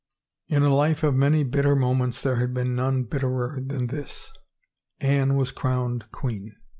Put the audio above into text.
In a life of many bitter moments there had been none bitterer than this. ... Anne was crowned queen.